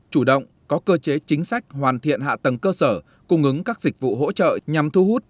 chủ động có cơ chế chính sách hoàn thiện hạ tầng cơ sở cung ứng các dịch vụ hỗ trợ nhằm thu hút